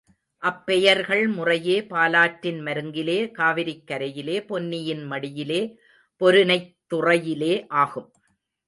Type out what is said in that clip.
அப்பெயர்கள் முறையே பாலாற்றின் மருங்கிலே, காவிரிக் கரையிலே, பொன்னியின் மடியிலே, பொருநைத் துறையிலே ஆகும்.